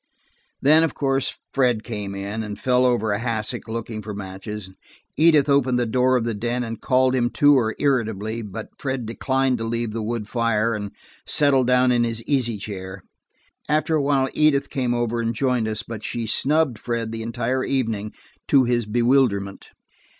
Then, of course, Fred came in, and fell over a hassock looking for matches. Edith opened the door of the den and called him to her irritably, but Fred declined to leave the wood fire, and settled down in his easy chair. After a while Edith came over and joined us, but she snubbed Fred the entire evening, to his bewilderment.